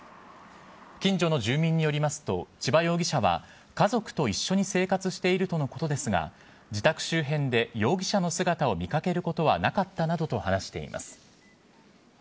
近所の住民によりますと、千葉容疑者は家族と一緒に生活しているとのことですが、自宅周辺で容疑者の姿を見かけることはなかったなどと話しています。